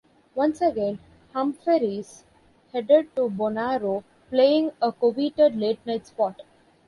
Once again, Umphrey's headed to Bonnaroo, playing a coveted late-night spot.